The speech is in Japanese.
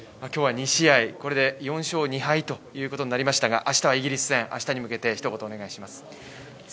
今日は２試合、これで４勝２敗ということになりましたが、明日はイギリス戦、明日に向けてひと言お願いします。